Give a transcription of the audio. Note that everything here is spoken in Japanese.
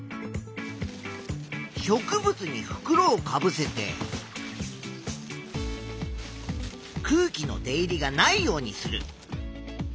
植物にふくろをかぶせて空気の出入りがないようにする。